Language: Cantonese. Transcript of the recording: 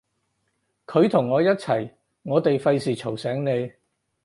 佢同我一齊，我哋費事嘈醒你